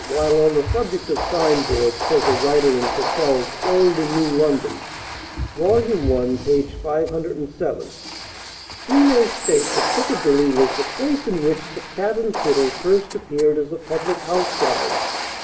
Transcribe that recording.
_ "While on the subject of sign boards," says a writer in Cassell's "Old and New London," vol. i., p. 507, "we may state that Piccadilly was the place in which 'The Cat and Fiddle' first appeared as a public house sign.